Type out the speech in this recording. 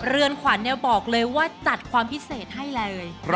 เรือนขวัญบอกเลยว่าจัดความพิเศษให้เลย